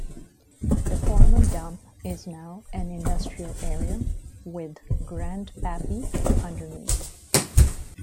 The former dump is now an industrial area, with "Grandpappy" underneath.